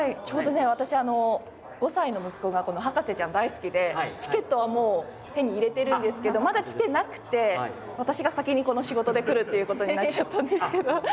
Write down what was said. ちょうどね私５歳の息子が『博士ちゃん』大好きでチケットはもう手に入れてるんですけどまだ来てなくて私が先にこの仕事で来るっていう事になっちゃったんですけど。